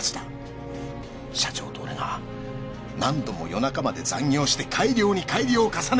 社長と俺が何度も夜中まで残業して改良に改良を重ね。